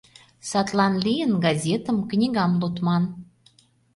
Садлан лийын, газетым, книгам лудман.